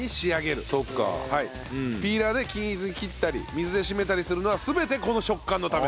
ピーラーで均一に切ったり水で締めたりするのは全てこの食感のため。